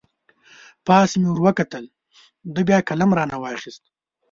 پاس مې ور وکتل، ده بیا قلم را نه واخست.